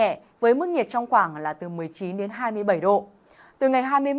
ở vùng cao tây nguyên trong ba ngày tới thời tiết ít biến đổi